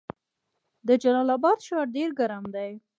د جلال اباد ښار ډیر ګرم دی